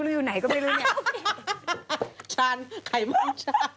เดี๋ยวใจเย็น